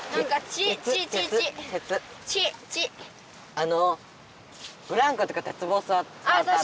あのブランコとか鉄棒さわったあと！